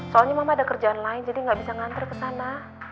soalnya mama ada kerjaan lain jadi gak bisa nganter kesana